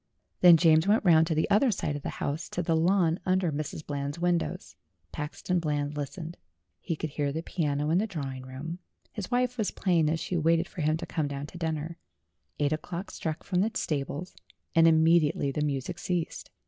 Then James went round to the other side of the house, to the lawn under Mrs. Eland's windows. Paxton Bland listened. He could hear the piano in the drawing room ; his wife was playing as she waited for him to come down to dinner. Eight o'clock struck from the stables, and immediately the music ceased.